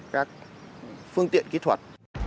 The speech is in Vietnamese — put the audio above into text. các phương tiện kỹ thuật